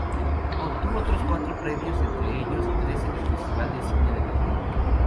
Obtuvo otros cuatro premios, entre ellos tres en el Festival de Cine de Berlín.